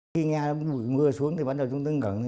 khi nghe mùi mưa xuống thì bắt đầu chúng tôi ngẩn